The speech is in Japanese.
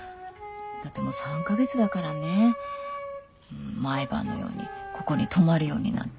だって３か月だからね毎晩のようにここに泊まるようになって。